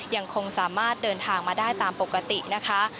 ยังคงสามารถเดินทางมาได้ตามปกตินะคะ